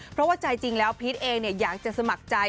เพราะว่าใจจริงแล้วพีชเองอยากจะสมัครใจ